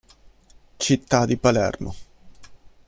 Città di Palermo